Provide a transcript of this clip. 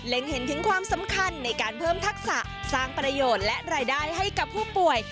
เห็นถึงความสำคัญในการเพิ่มทักษะสร้างประโยชน์และรายได้ให้กับผู้ป่วย